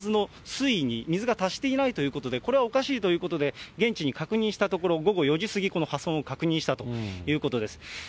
ふだん、たまっているはずの水位に水が達していないということで、これはおかしいということで、現地に確認したところ、午後４時過ぎ、この破損を確認したということです。